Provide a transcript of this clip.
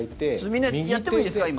みんなやってもいいですか今？